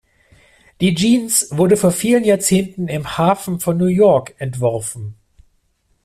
Die Jeans wurde vor vielen Jahrzehnten im Hafen von New York entworfen.